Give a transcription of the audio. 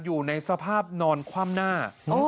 อยู่ในสภาพนอนคว่ำหน้า